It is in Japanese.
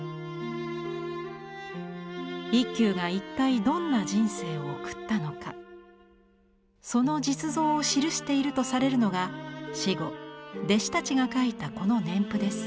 一休が一体どんな人生を送ったのかその実像を記しているとされるのが死後弟子たちが書いたこの年譜です。